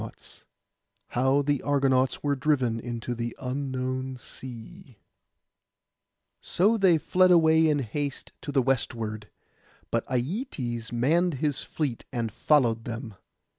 PART V HOW THE ARGONAUTS WERE DRIVEN INTO THE UNKNOWN SEA So they fled away in haste to the westward; but Aietes manned his fleet and followed them.